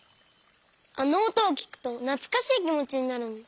あのおとをきくとなつかしいきもちになるんだ。